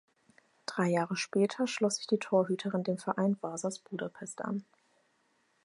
Drei Jahre später schloss sich die Torhüterin dem Verein Vasas Budapest an.